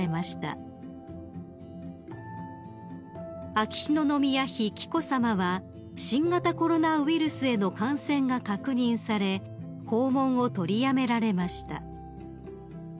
［秋篠宮妃紀子さまは新型コロナウイルスへの感染が確認され訪問を取りやめられました］